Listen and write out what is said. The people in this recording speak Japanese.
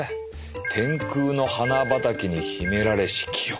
「天空の花畑に秘められし記憶」。